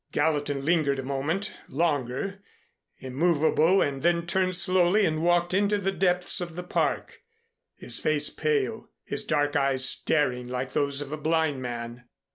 Gallatin lingered a moment longer immovable and then turned slowly and walked into the depths of the Park, his face pale, his dark eyes staring like those of a blind man.